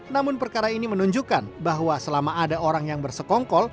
namun perkara ini menunjukkan bahwa selama ada orang yang bersekongkol